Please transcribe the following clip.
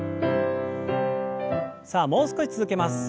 さあもう少し続けます。